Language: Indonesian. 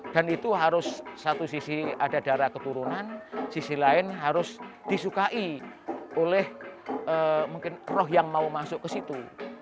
dan itu harus satu sisi ada darah keturunan sisi lain harus disukai oleh roh yang mau masuk ke situ